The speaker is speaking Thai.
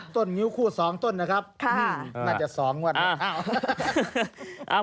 ต้นงิ้วคู่สองต้นน่าจะสองน่ะ